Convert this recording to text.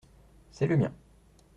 C’est le mien.